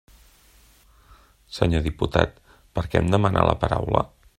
Senyor diputat, per què em demana la paraula?